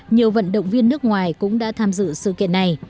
nhiều vận động viên nước ngoài cũng đã tham dự sự kiện này